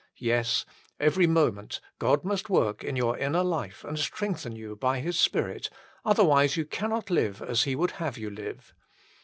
Yes : every moment God must work in your inner life and strengthen you by His Spirit, otherwise you cannot live as He would have you live.